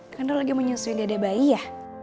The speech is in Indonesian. karena lagi menyusui dada bayi ya